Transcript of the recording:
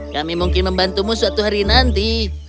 kami mungkin membantumu suatu hari nanti